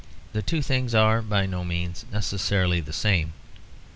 The two things are by no means necessarily the same.